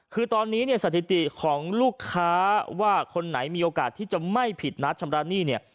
คือตอนนี้เนี่ยสถิติของลูกค้าว่าคนไหนมีโอกาสที่จะไม่ผิดนัดชำระหนี้เนี่ย